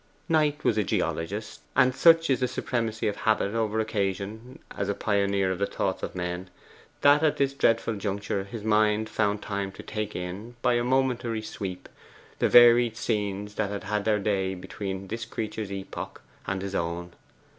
Knight was a geologist; and such is the supremacy of habit over occasion, as a pioneer of the thoughts of men, that at this dreadful juncture his mind found time to take in, by a momentary sweep, the varied scenes that had had their day between this creature's epoch and his own.